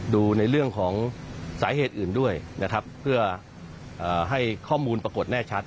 ดูในเรื่องของสาเหตุอื่นด้วยนะครับเพื่อให้ข้อมูลปรากฏแน่ชัด